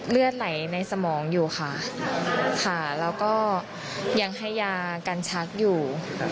เลือดไหลในสมองอยู่ค่ะค่ะแล้วก็ยังให้ยากันชักอยู่